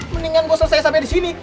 mendingan gue selesai sampai di sini